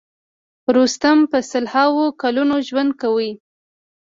رستم په سل هاوو کلونه ژوند کوي.